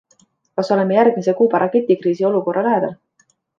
Kas oleme järgmise Kuuba raketikriisi olukorra lähedal?